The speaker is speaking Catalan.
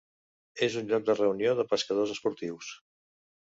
És un lloc de reunió de pescadors esportius.